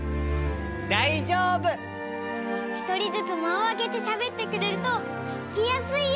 ひとりずつまをあけてしゃべってくれるとききやすいよ！